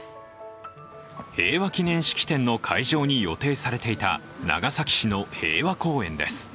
平和祈念式典の会場に予定されていた長崎市の平和公園です。